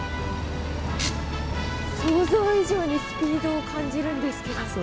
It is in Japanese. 想像以上にスピードを感じるんですけど。